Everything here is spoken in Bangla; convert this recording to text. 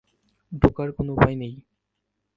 ঢোকার কোনো উপায় নেই।